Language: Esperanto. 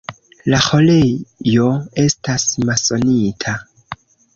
La ĥorejo estas masonita.